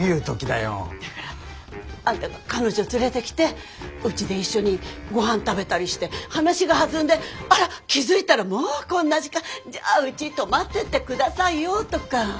だからあんたが彼女連れてきてうちで一緒にごはん食べたりして話が弾んであら気付いたらもうこんな時間じゃあうちに泊まってって下さいよとか。